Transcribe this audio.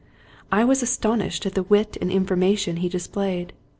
I was astonished at the wit and information he displayed.